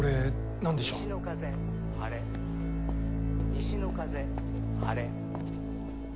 西の風晴れ。